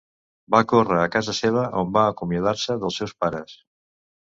Va córrer a casa seva on va acomiadar-se dels seus pares.